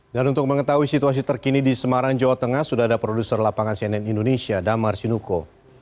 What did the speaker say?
dan untuk mengetahui situasi terkini di semarang jawa tengah sudah ada produser lapangan cnn indonesia damar sinuko